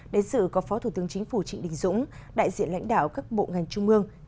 để dự có phó thủ tướng chính phủ trịnh đình dũng đại diện lãnh đạo các bộ ngành trung ương